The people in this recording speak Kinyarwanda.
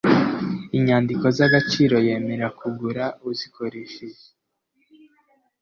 inyandiko z'agaciro yemera kugura uzikoresheje